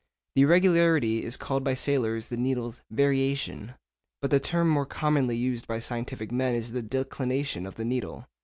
The irregularity is called by sailors the needle's variation, but the term more commonly used by scientific men is the declination of the needle.